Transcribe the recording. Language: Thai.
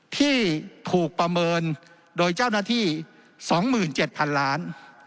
ที่ถูกประเมินโดยเจ้าหน้าที่๒๗๐๐๐ล้าน